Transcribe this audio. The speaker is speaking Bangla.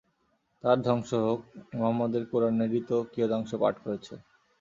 তার ধ্বংস হোক মুহাম্মদের কুরআনেরই তো কিয়দাংশ পাঠ করছে।